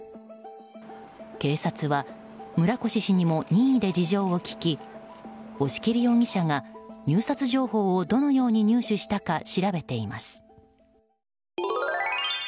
警察は、村越氏にも任意で事情を聴き押切容疑者が入札情報をどのように入手したか調べています。